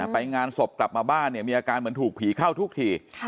ไปงานศพกลับมาบ้านเนี่ยมีอาการเหมือนถูกผีเข้าทุกที